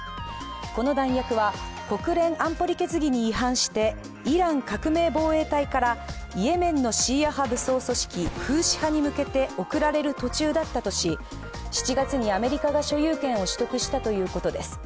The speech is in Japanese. この弾薬は、国連安保理決議に違反してイラン革命防衛隊からイエメンのシーア派武装組織フーシ派に向けて送られる途中だったとし、７月にアメリカが所有権を取得したということです。